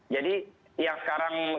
jadi yang sekarang